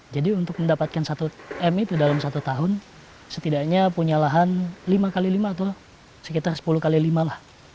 jadi untuk mendapatkan satu m itu dalam satu tahun setidaknya punya lahan lima kali lima atau sekitar sepuluh kali lima lah